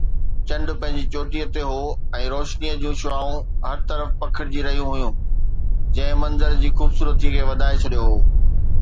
چنڊ پنهنجي چوٽيءَ تي هو ۽ روشنيءَ جون شعاعون هر طرف پکڙجي رهيون هيون، جنهن منظر جي خوبصورتي کي وڌائي ڇڏيو هو.